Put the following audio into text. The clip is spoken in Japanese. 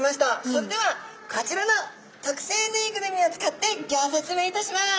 それではこちらの特製ぬいぐるみを使ってギョ説明いたします。